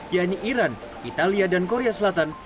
yaitu iran italia dan korea selatan